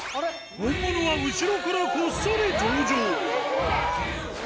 本物は後ろからこっそり登場。